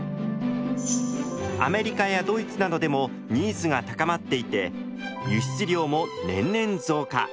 アメリカやドイツなどでもニーズが高まっていて輸出量も年々増加。